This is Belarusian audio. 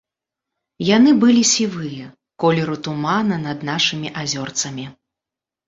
Яны былі сівыя, колеру тумана над нашымі азёрцамі.